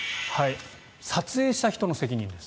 撮影した人の責任です。